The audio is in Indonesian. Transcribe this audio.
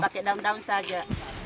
iya pakai daun daun saja